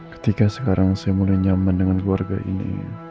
ketika sekarang saya mulai nyaman dengan keluarga ini